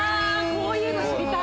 こういうの知りたい。